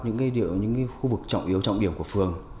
những khu vực trọng yếu trọng điểm của phường